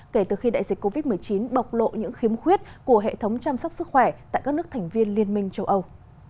kể từ khi đại dịch covid một mươi chín bộc lộ những khiếm khuyết của hệ thống chăm sóc sức khỏe tại các nước thành viên liên minh châu âu